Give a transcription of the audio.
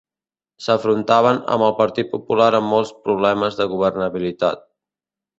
S'afrontaven amb el Partit Popular amb molts problemes de governabilitat.